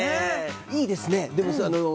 いいですね。